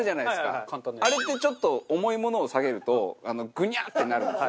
あれってちょっと重いものをさげるとグニャッてなるんですよ。